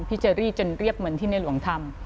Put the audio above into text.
พี่จะรีจนเรียบเหมือนที่ในหลวงธรรม